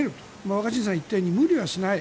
若新さんが言ったように無理はしない。